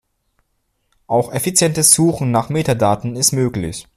Auch effizientes Suchen nach Metadaten ist möglich.